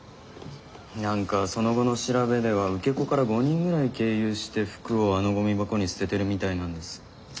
何かその後の調べでは受け子から５人ぐらい経由して服をあのゴミ箱に捨ててるみたいなんです。